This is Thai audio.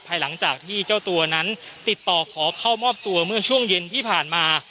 หลังจากที่เจ้าตัวนั้นติดต่อขอเข้ามอบตัวเมื่อช่วงเย็นที่ผ่านมา